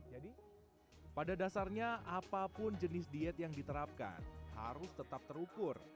jadi pada dasarnya apapun jenis diet yang diterapkan harus tetap terukur